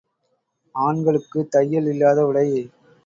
ஆண்களுக்குத் தையல் இல்லாத உடை.